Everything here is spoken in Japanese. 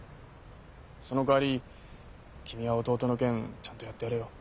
そのかわり君は弟の件ちゃんとやってやれよ。